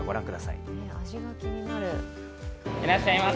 いらっしゃいませ。